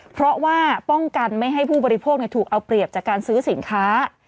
เพราะว่าป้องกันไม่ให้ผู้บริโภคถูกเอาเปรียบจากการซื้อสินค้า